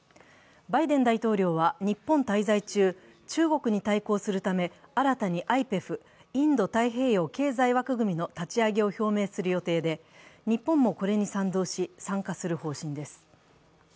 バイデン大統領は日本滞在中、中国に対抗するため新たにＩＰＥＦ＝インド太平洋経済枠組みの立ち上げを表明する予定で、日本もこれに賛同し参加する予定です。